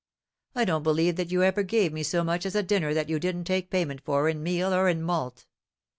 I don't believe that you ever gave me so much as a dinner that you didn't take payment for in meal or in malt.